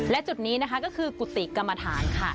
และจุดนี้นะคะก็คือกุฏิกรรมฐานค่ะ